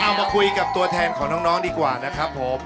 มาคุยกับตัวแทนของน้องดีกว่านะครับผม